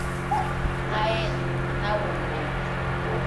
Jae nauioide